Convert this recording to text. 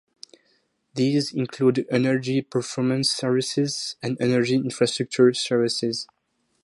These include energy performance services and energy infrastructure services.